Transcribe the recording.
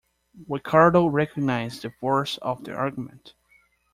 Ricardo recognised the force of the argument.